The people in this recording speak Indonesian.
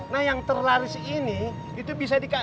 nah yang terlaris ini itu bisa dikatakan